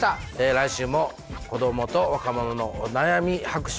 来週も子どもと若者のお悩み白書